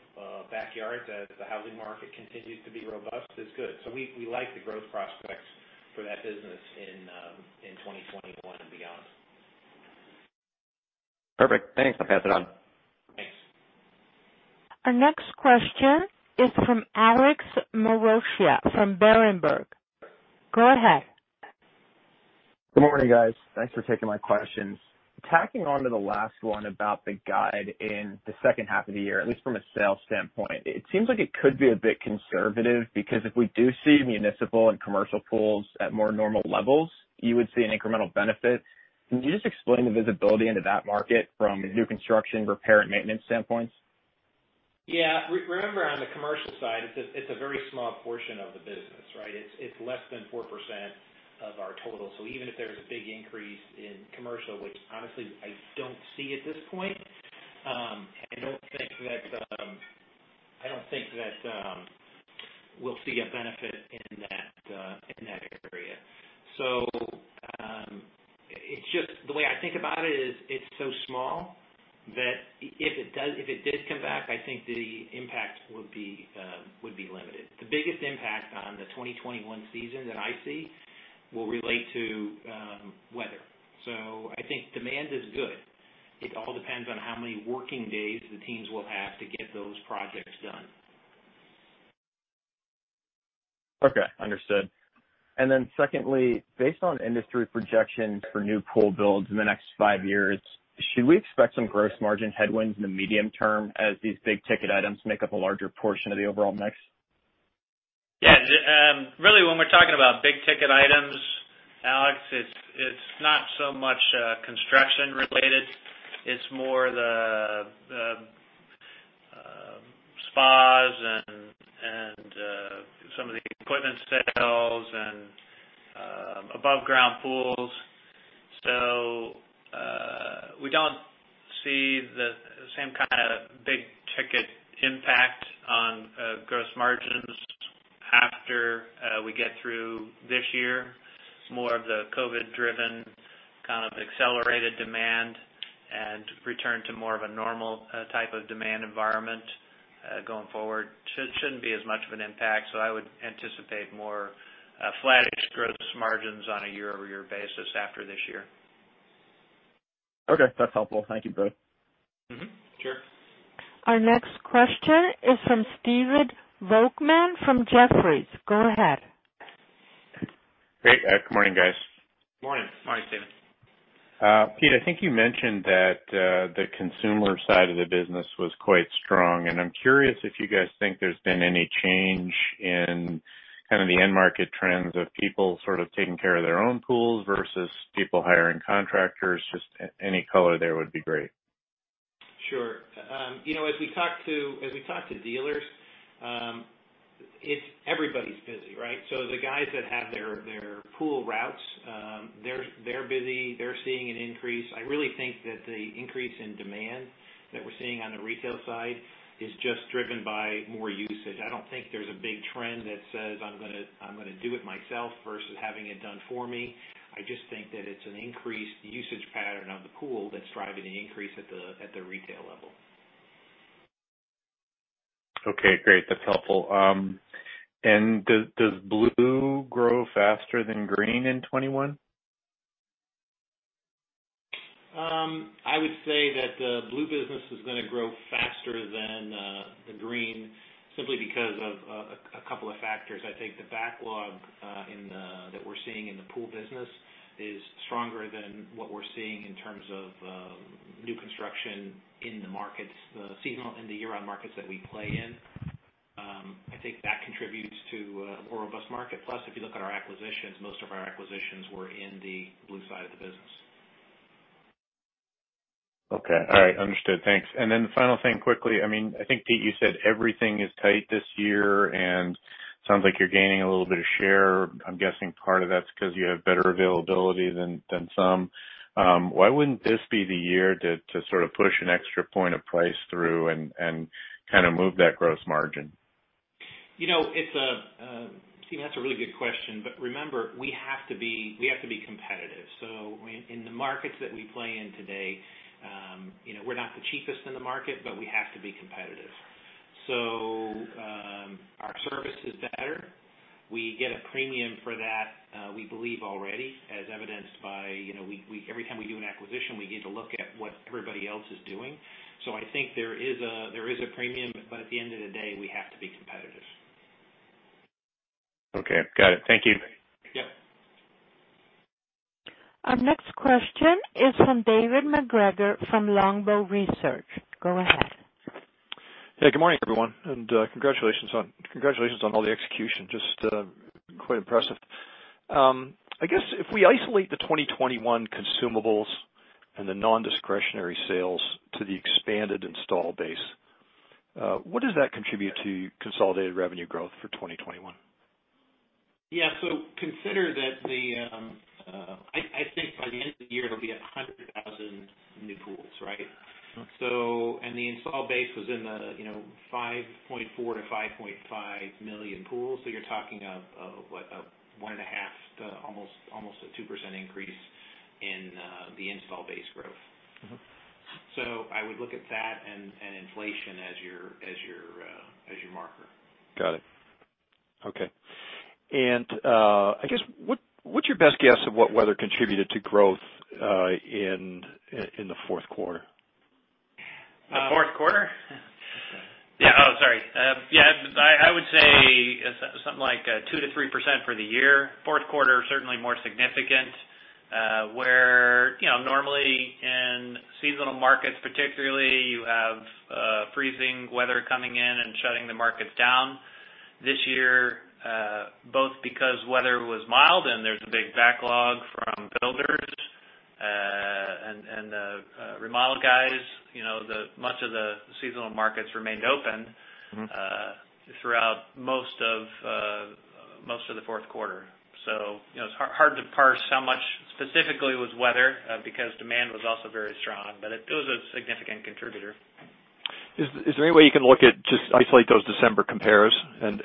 backyards as the housing market continues to be robust is good. We like the growth prospects for that business in 2021 and beyond. Perfect. Thanks, I'll pass it on. Thanks. Our next question is from Alex Maroccia from Berenberg. Go ahead. Good morning, guys, thanks for taking my questions. Tacking onto the last one about the guide in the second half of the year, at least from a sales standpoint, it seems like it could be a bit conservative, because if we do see municipal and commercial pools at more normal levels, you would see an incremental benefit. Can you just explain the visibility into that market from a new construction repair and maintenance standpoint? Yeah. Remember, on the commercial side, it's a very small portion of the business, right? It's less than 4% of our total. Even if there's a big increase in commercial, which honestly I don't see at this point, I don't think that we'll see a benefit in that area. The way I think about it is, it's so small that if it did come back, I think the impact would be limited. The biggest impact on the 2021 season that I see will relate to weather. I think demand is good. It all depends on how many working days the teams will have to get those projects done. Okay, understood. Secondly, based on industry projections for new pool builds in the next five years, should we expect some gross margin headwinds in the medium term as these big-ticket items make up a larger portion of the overall mix? Yeah. Really, when we're talking about big-ticket items, Alex, it's not so much construction related. It's more the spas and some of the equipment sales and above ground pools. We don't see the same kind of big-ticket impact on gross margins after we get through this year. More of the COVID-driven kind of accelerated demand and return to more of a normal type of demand environment going forward. Shouldn't be as much of an impact, so I would anticipate more flattish gross margins on a year-over-year basis after this year. Okay. That's helpful. Thank you both. Sure. Our next question is from Stephen Volkmann from Jefferies. Go ahead. Great. Good morning, guys. Morning. Morning, Stephen. Peter, I think you mentioned that the consumer side of the business was quite strong, and I'm curious if you guys think there's been any change in kind of the end market trends of people sort of taking care of their own pools versus people hiring contractors. Just any color there would be great. Sure. As we talk to dealers, everybody's busy, right? The guys that have their pool routes, they're busy, they're seeing an increase. I really think that the increase in demand that we're seeing on the retail side is just driven by more usage. I don't think there's a big trend that says, "I'm going to do it myself versus having it done for me." I just think that it's an increased usage pattern on the pool that's driving the increase at the retail level. Okay, great. That's helpful. Does blue grow faster than green in 2021? I would say that the blue business is going to grow faster than the green simply because of a couple of factors. I think the backlog that we're seeing in the pool business is stronger than what we're seeing in terms of new construction in the markets, the seasonal and the year-round markets that we play in. I think that contributes to a more robust market. Plus, if you look at our acquisitions, most of our acquisitions were in the blue side of the business. Okay, all right. Understood thanks. Then final thing quickly, I think, Pete, you said everything is tight this year, and sounds like you're gaining a little bit of share. I'm guessing part of that's because you have better availability than some. Why wouldn't this be the year to sort of push an extra point of price through and kind of move that gross margin? Steve, that's a really good question, but remember, we have to be competitive. In the markets that we play in today, we're not the cheapest in the market, but we have to be competitive. Our service is better. We get a premium for that, we believe, already, as evidenced by every time we do an acquisition, we get to look at what everybody else is doing. I think there is a premium, but at the end of the day, we have to be competitive. Okay, got it. Thank you. Yep. Our next question is from David MacGregor from Longbow Research. Go ahead. Hey, good morning, everyone, and congratulations on all the execution. Just quite impressive. I guess if we isolate the 2021 consumables and the non-discretionary sales to the expanded install base, what does that contribute to consolidated revenue growth for 2021? Yeah. Consider that the, I think by the end of the year, it'll be 100,000 new pools, right? Okay. The install base was in the 5.4 million to 5.5 million pools. You're talking of a one and a half to almost a 2% increase in the install base growth. I would look at that and inflation as your marker. Got it. Okay. I guess, what's your best guess of what weather contributed to growth in the fourth quarter? The fourth quarter? Yeah. Oh, sorry. Yeah, I would say something like 2%-3% for the year. Fourth quarter, certainly more significant, where normally in seasonal markets particularly, you have freezing weather coming in and shutting the markets down. This year, both because weather was mild and there's a big backlog from builders and the remodel guys, much of the seasonal markets remained open. Throughout most of the fourth quarter. It's hard to parse how much specifically was weather, because demand was also very strong, but it was a significant contributor. Is there any way you can look at just isolate those December compares and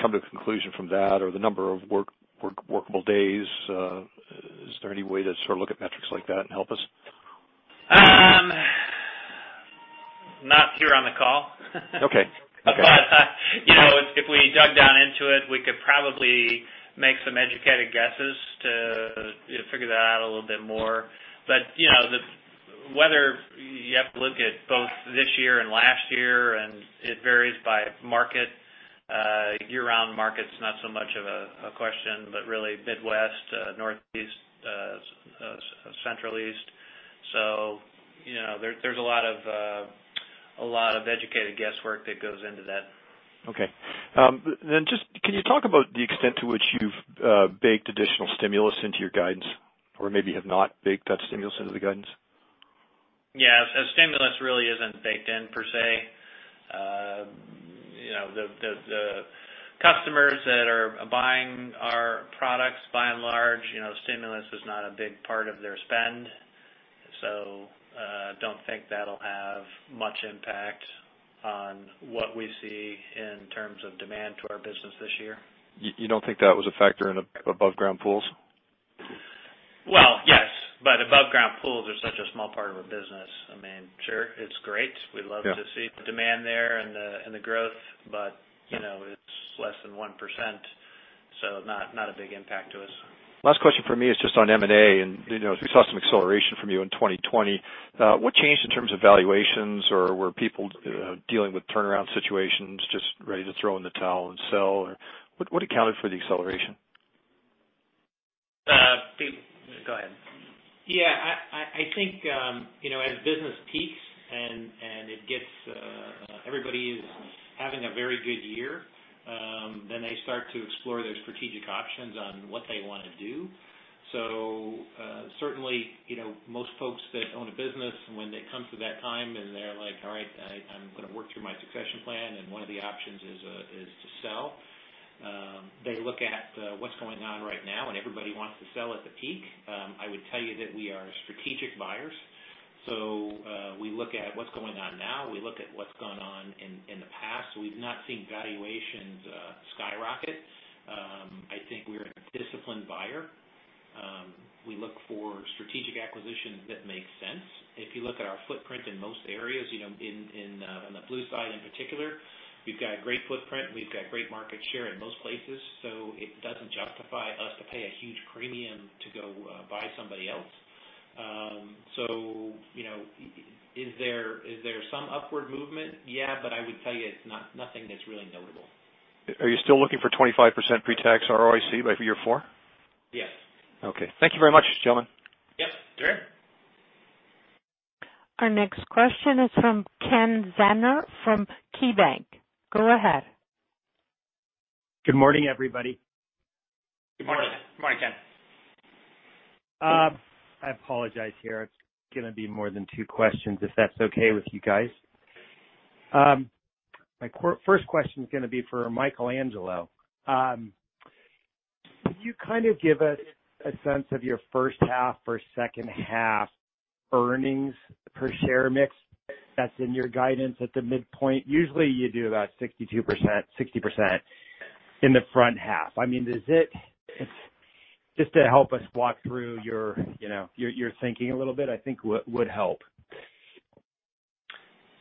come to a conclusion from that or the number of workable days? Is there any way to sort of look at metrics like that and help us? Not here on the call. Okay. If we dug down into it, we could probably make some educated guesses to figure that out a little bit more. The weather, you have to look at both this year and last year, and it varies by market. Year-round markets, not so much of a question, but really Midwest, Northeast, Central East. There's a lot of educated guesswork that goes into that. Just can you talk about the extent to which you've baked additional stimulus into your guidance, or maybe have not baked that stimulus into the guidance? Yeah. Stimulus really isn't baked in per se. The customers that are buying our products, by and large, stimulus was not a big part of their spend. Don't think that'll have much impact on what we see in terms of demand to our business this year. You don't think that was a factor in above ground pools? Well, yes, above ground pools are such a small part of our business. Sure, it's great. Yeah. We love to see the demand there and the growth, but it's less than 1%, so not a big impact to us. Last question from me is just on M&A, and we saw some acceleration from you in 2020. What changed in terms of valuations, or were people dealing with turnaround situations just ready to throw in the towel and sell, or what accounted for the acceleration? Pete, go ahead. I think as business peaks and everybody is having a very good year, then they start to explore those strategic options on what they want to do. Certainly, most folks that own a business, when they come to that time. Succession plan, and one of the options is to sell. They look at what's going on right now, and everybody wants to sell at the peak. I would tell you that we are strategic buyers. We look at what's going on now. We look at what's gone on in the past. We've not seen valuations skyrocket. I think we're a disciplined buyer. We look for strategic acquisitions that make sense. If you look at our footprint in most areas, on the blue side in particular, we've got a great footprint, and we've got great market share in most places. It doesn't justify us to pay a huge premium to go buy somebody else. Is there some upward movement? Yeah, but I would tell you, it's nothing that's really notable. Are you still looking for 25% pre-tax ROIC by year four? Yes. Okay. Thank you very much, gentlemen. Yes. Sure. Our next question is from Ken Zener from KeyBank. Go ahead. Good morning, everybody. Good morning, Ken. I apologize here. It's going to be more than two questions, if that's okay with you guys. My first question is going to be for Michael Angelo. Could you give us a sense of your first half versus second half earnings per share mix that's in your guidance at the midpoint? Usually, you do about 62%, 60% in the front half. Just to help us walk through your thinking a little bit, I think would help.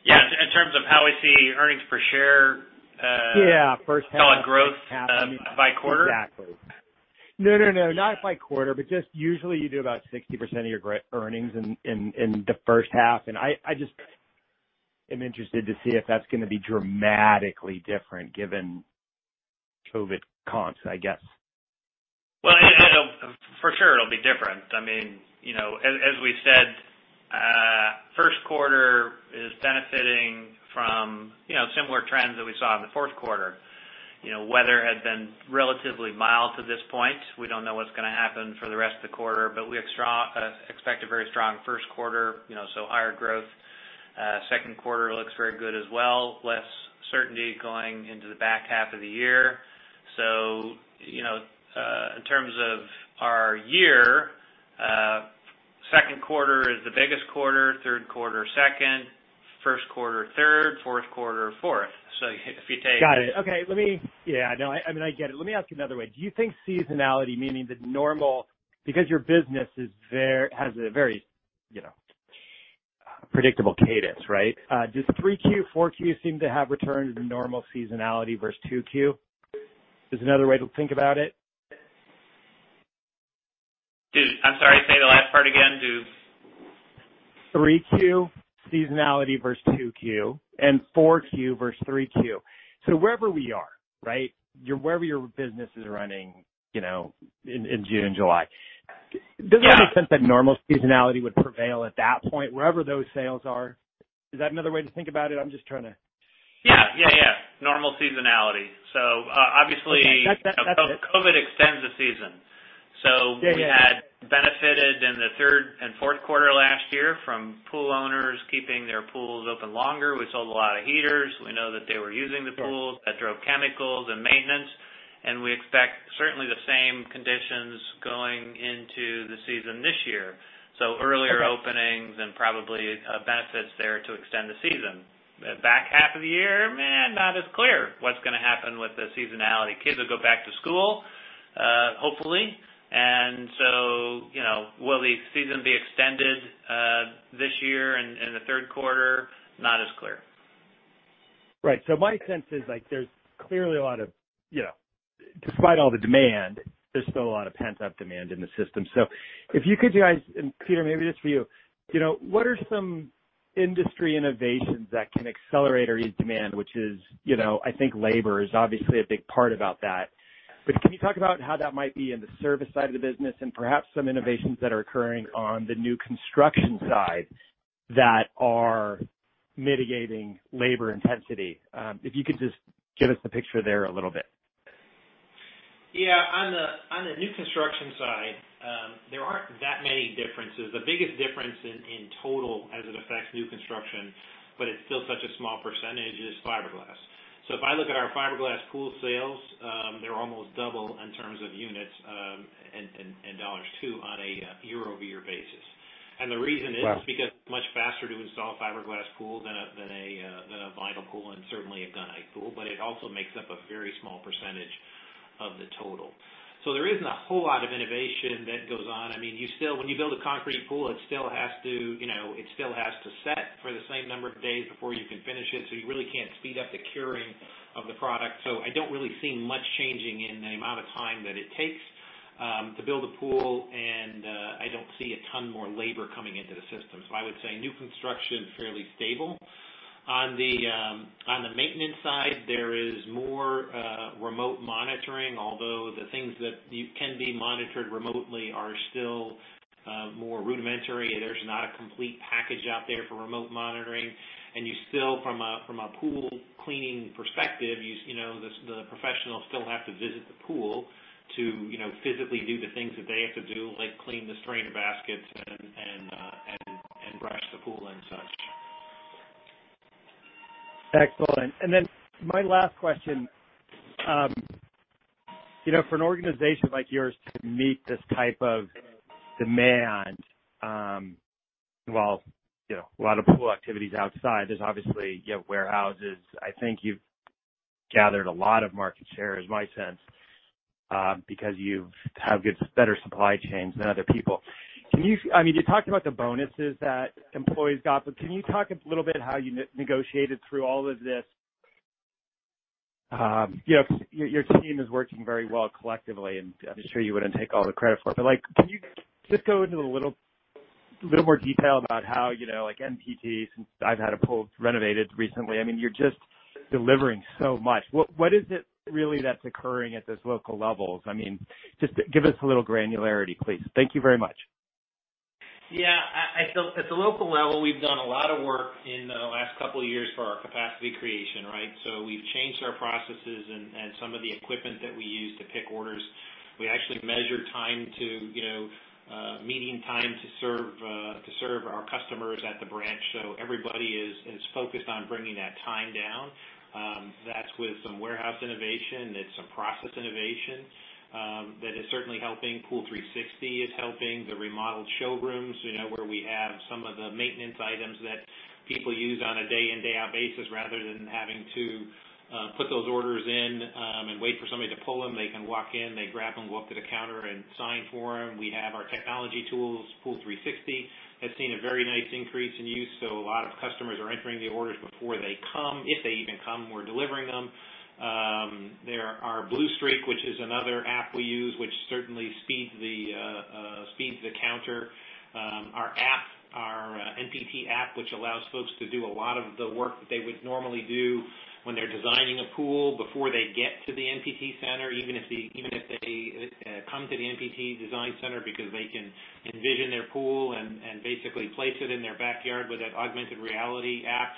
Yeah. In terms of how we see earnings per share. Yeah, first half. growth by quarter? Exactly. No, not by quarter, but just usually you do about 60% of your earnings in the first half, and I just am interested to see if that's going to be dramatically different given COVID cons, I guess. Well, for sure it'll be different. As we said, first quarter is benefiting from similar trends that we saw in the fourth quarter. Weather had been relatively mild to this point. We don't know what's going to happen for the rest of the quarter, but we expect a very strong first quarter, so higher growth. Second quarter looks very good as well. Less certainty going into the back half of the year. In terms of our year, second quarter is the biggest quarter, third quarter, second, first quarter, third, fourth quarter, fourth. Got it. Okay. I get it. Let me ask you another way. Do you think seasonality, meaning the normal, because your business has a very predictable cadence, right? Does 3Q, 4Q seem to have returned to the normal seasonality versus 2Q is another way to think about it? I'm sorry, say the last part again. Do. 3Q seasonality versus 2Q and 4Q versus 3Q. Wherever we are, right? Wherever your business is running in June, July. Yeah. Does it make sense that normal seasonality would prevail at that point, wherever those sales are? Is that another way to think about it? Yeah. Normal seasonality. Okay. That's it. COVID extends the season. Yeah. We had benefited in the third and fourth quarter last year from pool owners keeping their pools open longer. We sold a lot of heaters. We know that they were using the pools. That drove chemicals and maintenance, and we expect certainly the same conditions going into the season this year. Earlier openings and probably benefits there to extend the season. Back half of the year, man, not as clear what's going to happen with the seasonality. Kids will go back to school, hopefully. Will the season be extended this year in the third quarter? Not as clear. Right. My sense is there's clearly, despite all the demand, there's still a lot of pent-up demand in the system. If you could, guys, and Peter, maybe just for you, what are some industry innovations that can accelerate or ease demand? Which is, I think labor is obviously a big part about that. Can you talk about how that might be in the service side of the business and perhaps some innovations that are occurring on the new construction side that are mitigating labor intensity? If you could just give us the picture there a little bit. Yeah. On the new construction side, there aren't that many differences. The biggest difference in total as it affects new construction, but it's still such a small percentage, is fiberglass. If I look at our fiberglass pool sales, they're almost double in terms of units, and dollars too, on a year-over-year basis. Wow Because it's much faster to install a fiberglass pool than a vinyl pool and certainly a gunite pool, but it also makes up a very small percentage of the total. There isn't a whole lot of innovation that goes on. When you build a concrete pool, it still has to set for the same number of days before you can finish it, so you really can't speed up the curing of the product. I don't really see much changing in the amount of time that it takes to build a pool, and I don't see a ton more labor coming into the system. I would say new construction, fairly stable. On the maintenance side, there is more remote monitoring, although the things that can be monitored remotely are still more rudimentary. There's not a complete package out there for remote monitoring, and you still, from a pool cleaning perspective, the professional still have to visit the pool. To physically do the things that they have to do, like clean the strainer baskets and brush the pool and such. Excellent. Then my last question. For an organization like yours to meet this type of demand, while a lot of pool activity is outside, there's obviously warehouses. I think you've gathered a lot of market share, is my sense, because you have better supply chains than other people. You talked about the bonuses that employees got, can you talk a little bit how you negotiated through all of this? Your team is working very well collectively, and I'm sure you want to take all the credit for it, but can you just go into a little more detail about how, like, NPT, since I've had a pool renovated recently, you're just delivering so much. What is it really that's occurring at those local levels? Just give us a little granularity, please. Thank you very much. Yeah. At the local level, we've done a lot of work in the last couple of years for our capacity creation, right? We've changed our processes and some of the equipment that we use to pick orders. We actually measure meeting time to serve our customers at the branch. Everybody is focused on bringing that time down. That's with some warehouse innovation. It's some process innovation that is certainly helping. Pool360 is helping. The remodeled showrooms where we have some of the maintenance items that people use on a day-in, day-out basis, rather than having to put those orders in and wait for somebody to pull them. They can walk in, they grab them, walk to the counter, and sign for them. We have our technology tools. Pool360 has seen a very nice increase in use, so a lot of customers are entering the orders before they come. If they even come, we're delivering them. There are Bluestreak, which is another app we use, which certainly speeds the counter. Our NPT Backyard app, which allows folks to do a lot of the work that they would normally do when they're designing a pool before they get to the NPT design center, even if they come to the NPT design center, because they can envision their pool and basically place it in their backyard with that augmented reality app.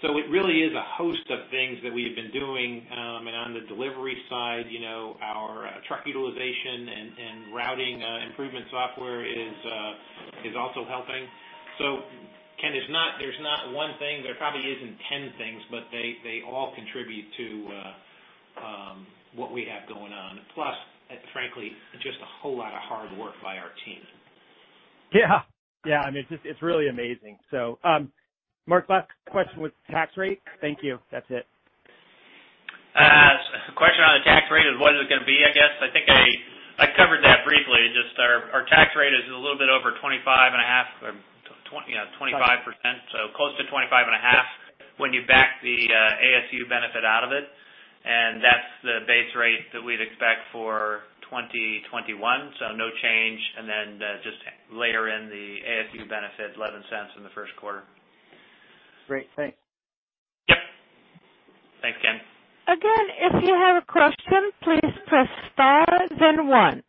It really is a host of things that we've been doing. On the delivery side, our truck utilization and routing improvement software is also helping. Ken, there's not one thing, there probably isn't 10 things, but they all contribute to what we have going on. Frankly, just a whole lot of hard work by our team. Yeah it's really amazing. Mark, last question was tax rate. Thank you. That's it. Question on the tax rate is what is it going to be, I guess? I think I covered that briefly. Just our tax rate is a little bit over 25.5% or 25%, so close to 25.5% when you back the ASU benefit out of it. That's the base rate that we'd expect for 2021. No change. Just layer in the ASU benefit, $0.11 in the first quarter. Great, thanks. Yep. Thanks, Ken. Again, if you have a question, please press star, then one.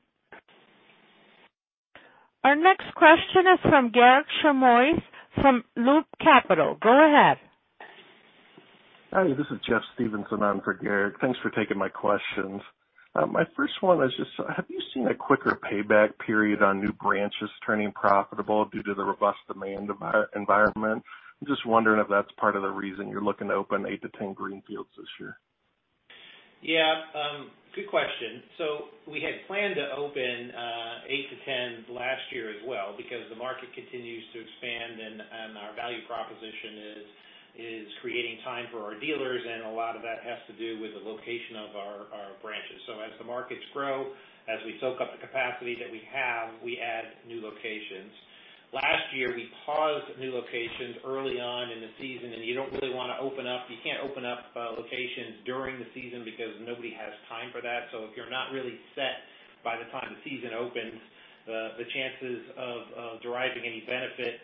Our next question is from Garik Shmois, from Loop Capital. Go ahead. Hi, this is Jeff Stevenson on for Garik. Thanks for taking my questions. My first one is just, have you seen a quicker payback period on new branches turning profitable due to the robust demand environment? I'm just wondering if that's part of the reason you're looking to open eight to 10 greenfields this year. Yeah. Good question. We had planned to open eight to 10 last year as well because the market continues to expand, and our value proposition is creating time for our dealers, and a lot of that has to do with the location of our branches. As the markets grow, as we soak up the capacity that we have, we add new locations. Last year, we paused new locations early on in the season, and you can't open up locations during the season because nobody has time for that. If you're not really set by the time the season opens, the chances of deriving any benefit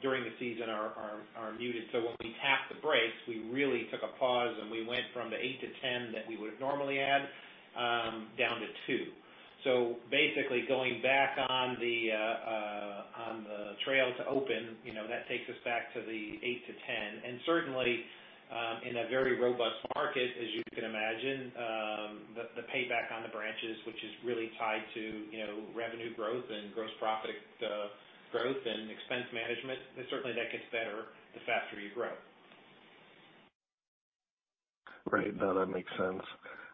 during the season are muted. When we tapped the brakes, we really took a pause, and we went from the eight to 10 that we would normally add, down to two. Basically, going back on the trail to open, that takes us back to the eight to 10. Certainly, in a very robust market, as you can imagine, the payback on the branches, which is really tied to revenue growth and gross profit growth and expense management, certainly that gets better the faster you grow. Right. No, that makes sense.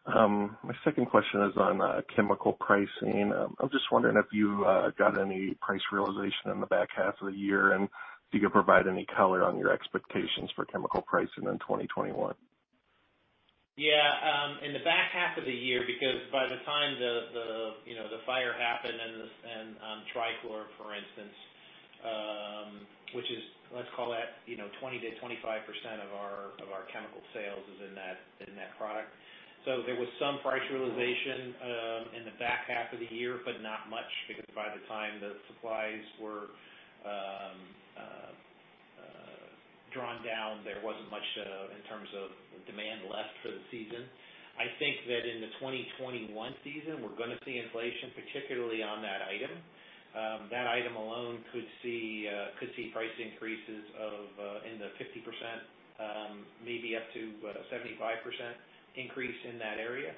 My second question is on chemical pricing. I'm just wondering if you got any price realization in the back half of the year and if you could provide any color on your expectations for chemical pricing in 2021. In the back half of the year, because by the time the fire happened on trichlor, for instance, which is, let's call it, 20%-25% of our chemical sales is in that product. There was some price realization in the back half of the year, but not much because by the time the supplies were drawn down, there wasn't much in terms of demand left for the season. I think that in the 2021 season, we're going to see inflation, particularly on that item. That item alone could see price increases in the 50%, maybe up to 75% increase in that area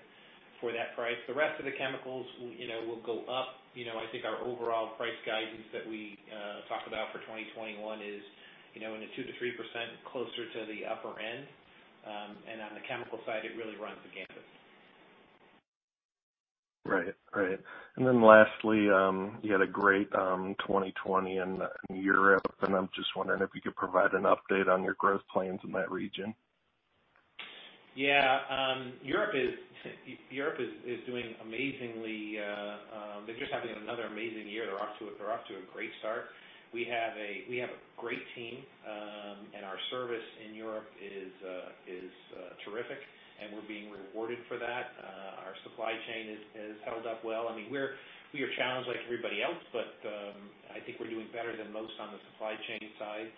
for that price. The rest of the chemicals will go up. I think our overall price guidance that we talked about for 2021 is in the 2%-3%, closer to the upper end. On the chemical side, it really runs the gamut. Right. Lastly, you had a great 2020 in Europe, and I'm just wondering if you could provide an update on your growth plans in that region. Yeah Europe is doing amazingly. They're just having another amazing year, they're off to a great start. We have a great team, and our service in Europe is terrific, and we're being rewarded for that. Our supply chain has held up well. We are challenged like everybody else, but I think we're doing better than most on the supply chain side.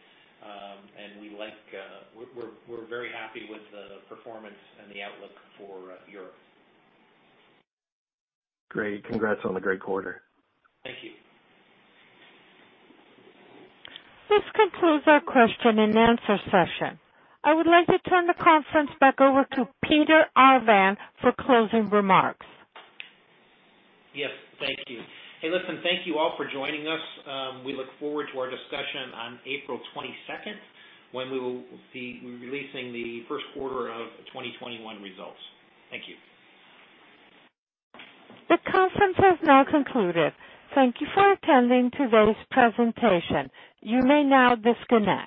We're very happy with the performance and the outlook for Europe. Great. Congrats on the great quarter. Thank you. This concludes our question and answer session. I would like to turn the conference back over to Peter Arvan for closing remarks. Yes. Thank you. Hey, listen, thank you all for joining us. We look forward to our discussion on April 22nd, when we will be releasing the first quarter of 2021 results. Thank you. The conference has now concluded. Thank you for attending today's presentation, you may now disconnect.